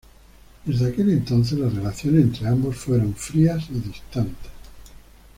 Desde aquel entonces las relaciones entre ambos fueron frías y distantes.